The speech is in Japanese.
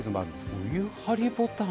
お湯張りボタン？